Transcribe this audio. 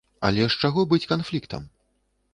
Але з чаго быць канфліктам?